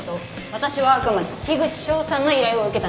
私はあくまで樋口翔さんの依頼を受けたんです。